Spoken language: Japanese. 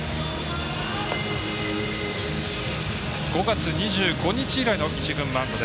５月２５日以来の１軍マウンド。